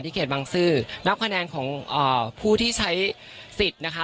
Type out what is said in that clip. เขตบังซื้อนับคะแนนของผู้ที่ใช้สิทธิ์นะคะ